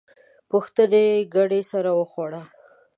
پوښتنې ګډې سر وخوړ.